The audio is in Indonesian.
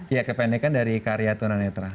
iya kependekan dari karya tuna netra